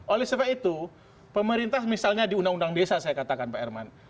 oleh sebab itu pemerintah misalnya di undang undang desa saya katakan pak herman